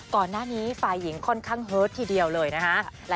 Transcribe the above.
ก่อนหน้านี้ฝ่ายหญิงค่อนข้างเฮิตทีเดียวเลยนะคะ